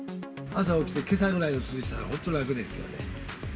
朝起きて、けさくらいの涼しさだと本当に楽ですよね。